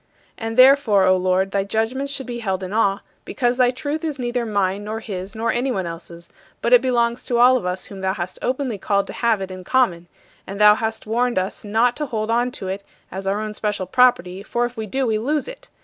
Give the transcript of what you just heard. And therefore, O Lord, thy judgments should be held in awe, because thy truth is neither mine nor his nor anyone else's; but it belongs to all of us whom thou hast openly called to have it in common; and thou hast warned us not to hold on to it as our own special property, for if we do we lose it.